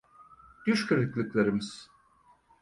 Düş kırıklıklarımız.